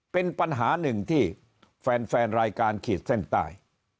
เป็นปัญหาหนึ่งที่แฟนรายการขีดเส้นใต้